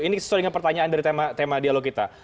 ini sesuai dengan pertanyaan dari tema dialog kita